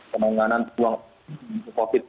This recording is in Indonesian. pemanganan uang covid sembilan belas